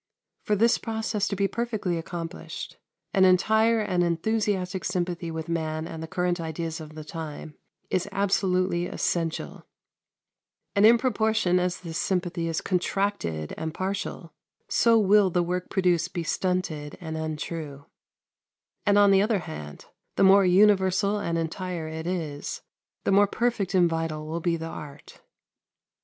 For this process to be perfectly accomplished, an entire and enthusiastic sympathy with man and the current ideas of the time is absolutely essential, and in proportion as this sympathy is contracted and partial, so will the work produced be stunted and untrue; and, on the other hand, the more universal and entire it is, the more perfect and vital will be the art.